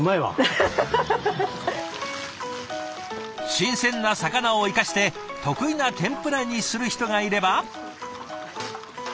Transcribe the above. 新鮮な魚を生かして得意な天ぷらにする人がいれば。